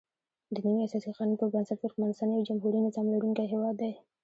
دنوي اساسي قانون پر بنسټ ترکمنستان یو جمهوري نظام لرونکی هیواد دی.